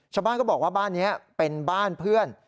ชาวบ้านก็บอกว่าบ้านนี้เป็นบ้านเพื่อน